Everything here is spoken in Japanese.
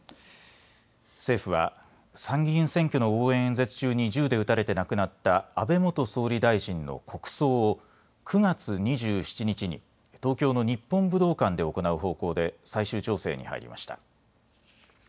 政府は参議院選挙の応援演説中に銃で撃たれて亡くなった安倍元総理大臣の国葬を９月２７日に東京の日本武道館で行う方向で最終調整に入りました。